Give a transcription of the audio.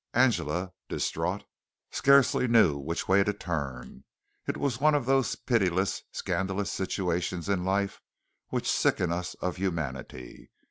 Angela, distraught, scarcely knew which way to turn. It was one of those pitiless, scandalous situations in life which sicken us of humanity.